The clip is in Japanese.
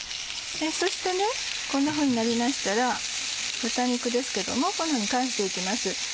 そしてこんなふうになりましたら豚肉ですけどもこのように返して行きます。